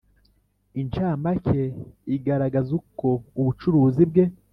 incamake igaragaza uko ubucuruzi bwe